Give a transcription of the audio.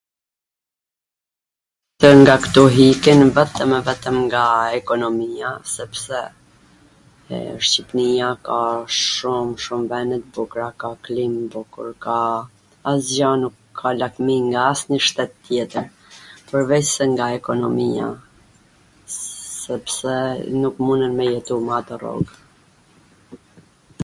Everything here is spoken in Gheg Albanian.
nga ktu ikwn vetwm e vetwm nga ekonomia, sepse Shqipnia ka shum shum vene t bukra, ka klim t bukur, ka..., asgja nuk ka lakmi nga asnjw shtet tjetwr, pwrveCse nga ekonomia, sepse nuk munden me jetu m' at rrog